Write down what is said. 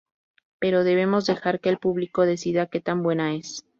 Pero debemos dejar que el público decida que tan buena es.